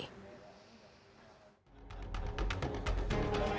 ketua umum partai bulan bintang yusril iza mahendra